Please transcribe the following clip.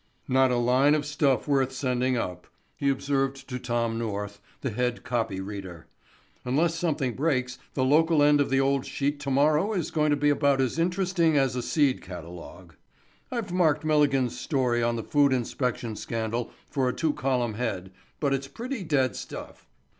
"Not a line of stuff worth sending up," he observed to Tom North, the head copy reader. "Unless something breaks the local end of the old sheet tomorrow is going to be about as interesting as a seed catalog. I've marked Milligan's story on the food inspection scandal for a two column head, but it's pretty dead stuff.